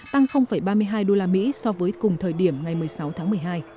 tăng ba mươi hai đô la mỹ so với cùng thời điểm ngày một mươi sáu tháng một mươi hai